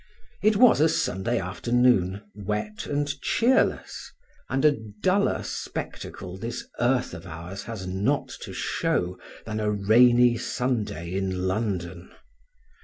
It was a Sunday afternoon, wet and cheerless: and a duller spectacle this earth of ours has not to show than a rainy Sunday in London.